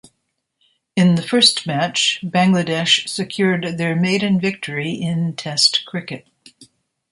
In the first match, Bangladesh secured their maiden victory in Test cricket.